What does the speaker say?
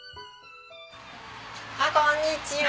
あっこんにちは。